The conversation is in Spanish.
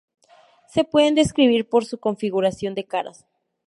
Se pueden describir por su configuración de caras.